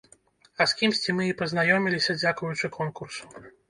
А з кімсьці мы і пазнаёміліся дзякуючы конкурсу.